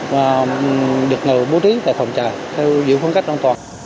và được bố trí tại phòng trại theo dự phương cách an toàn